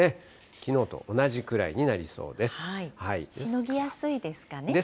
きのうと同じくらいになりそうです。ですね。